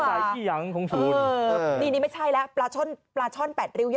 ผมอยากจะที่ใจอี้ยังเนี่ย